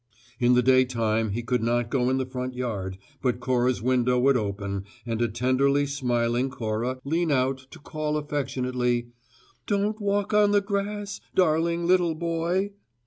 In the daytime he could not go in the front yard, but Cora's window would open and a tenderly smiling Cora lean out to call affectionately, "Don't walk on the grass darling little boy!"